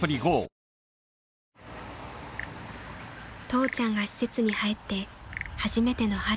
［父ちゃんが施設に入って初めての春］